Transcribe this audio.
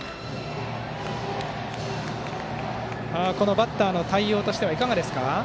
バッターの対応はいかがですか。